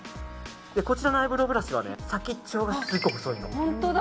こちらのアイブローブラシは先っちょがすごく細いの。